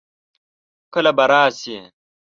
کله به راسې؟